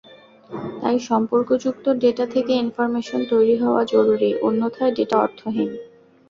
তাই সম্পর্কযুক্ত ডেটা থেকে ইনফরমেশন তৈরি হাওয়া জরুরি, অন্যথায় ডেটা অর্থহীন।